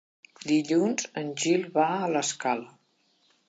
Dilluns en Gil va a l'Escala.